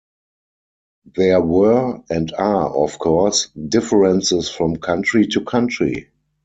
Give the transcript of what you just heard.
There were, and are, of course, differences from country to country.